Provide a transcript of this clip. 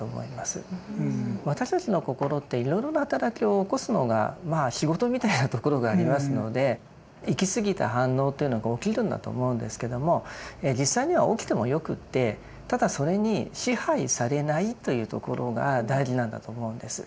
私たちの心っていろいろな働きを起こすのが仕事みたいなところがありますので行きすぎた反応というのが起きるんだと思うんですけども実際には起きてもよくってただそれに支配されないというところが大事なんだと思うんです。